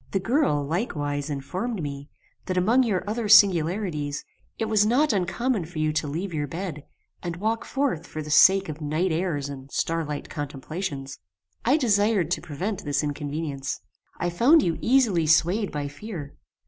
The girl, likewise, informed me, that among your other singularities, it was not uncommon for you to leave your bed, and walk forth for the sake of night airs and starlight contemplations. "I desired to prevent this inconvenience. I found you easily swayed by fear.